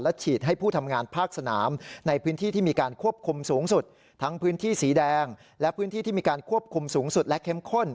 ฉีดให้ผู้ทำงานภาคสนามในพื้นที่ที่มีการควบคุมสูงสุดทั้งพื้นที่สีแดงและพื้นที่ที่มีการควบคุมสูงสุดและเข้มข้น